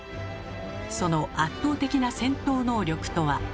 その「圧倒的な戦闘能力」とは？